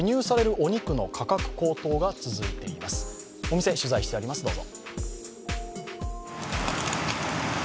お店、取材してありますどうぞ。